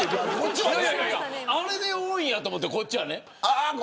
あれで多いんやと思ってこっちはね。